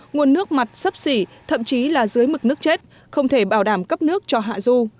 nguồn nước mặt sấp xỉ thậm chí là dưới mực nước chết không thể bảo đảm cấp nước cho hạ du